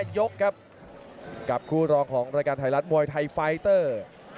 ยกครับกับคู่รองของรายการไทยรัฐมวยไทยไฟเตอร์